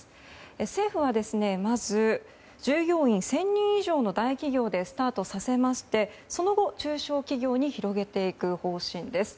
政府は、まず従業員１０００人以上の大企業でスタートさせましてその後、中小企業に広げていく方針です。